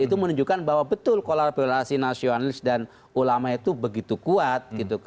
itu menunjukkan bahwa betul kolaborasi nasionalis dan ulama itu begitu kuat